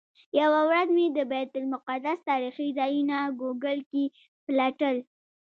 یوه ورځ مې د بیت المقدس تاریخي ځایونه ګوګل کې پلټل.